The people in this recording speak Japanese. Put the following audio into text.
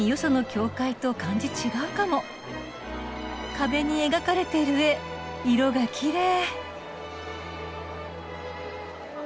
壁に描かれてる絵色がきれい。